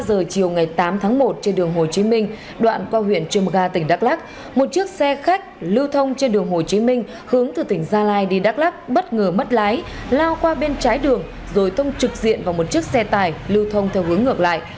một mươi giờ chiều ngày tám tháng một trên đường hồ chí minh đoạn qua huyện trươm gà tỉnh đắk lắc một chiếc xe khách lưu thông trên đường hồ chí minh hướng từ tỉnh gia lai đi đắk lắc bất ngờ mất lái lao qua bên trái đường rồi thông trực diện vào một chiếc xe tải lưu thông theo hướng ngược lại